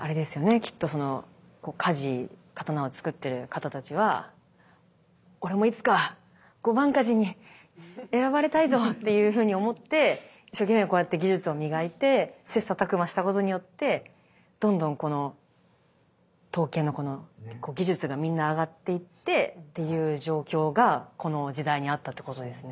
きっとその鍛冶刀をつくってる方たちは「俺もいつか御番鍛冶に選ばれたいぞ！」っていうふうに思って一生懸命こうやって技術を磨いてせっさたくましたことによってどんどんこの刀剣のこの技術がみんな上がっていってっていう状況がこの時代にあったということですね。